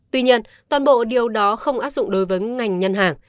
tuy nhiên toàn bộ điều đó không áp dụng đối với ngành ngân hàng